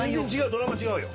ドラマ違うよ。